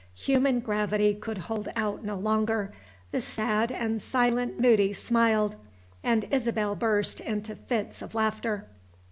human gravity could hold out no longer. The sad and silent Moody smiled, and Isabel burst into fits of laughter.